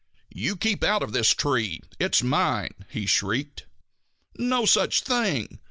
"You keep out of this tree; it's mine!" he shrieked. "No such thing!